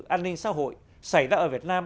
an ninh xã hội xảy ra ở việt nam